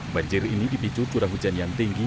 banjir ini dipicu curah hujan yang tinggi